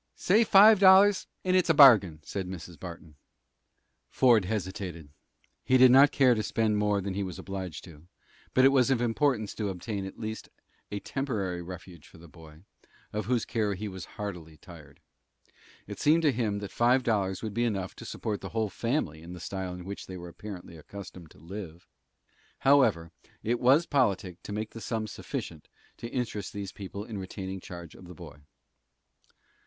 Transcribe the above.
"Say five dollars and it's a bargain," said Mrs. Barton. Ford hesitated. He did not care to spend more than he was obliged to, but it was of importance to obtain at least a temporary refuge for the boy, of whose care he was heartily tired. It seemed to him that five dollars would be enough to support the whole family in the style in which they were apparently accustomed to live. However, it was politic to make the sum sufficient to interest these people in retaining charge of the boy.